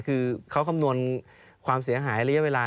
คือเขาคำนวณความเสียหายระยะเวลา